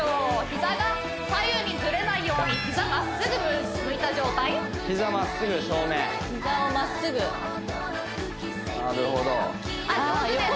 膝が左右にずれないように膝まっすぐ向いた状態膝まっすぐ正面膝をまっすぐなるほどあっ上手です